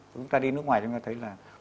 chúng ta đi nước ngoài chúng ta thấy là